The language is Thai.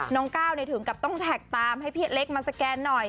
ก้าวถึงกับต้องแท็กตามให้พี่เล็กมาสแกนหน่อย